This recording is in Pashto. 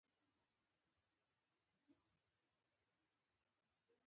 د انقلاب مرکز ترکیه او ایران شاوخوا سیمې وې.